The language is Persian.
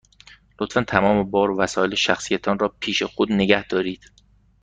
لطفاً تمام بار و وسایل شخصی تان را پیش خود نگه دارید.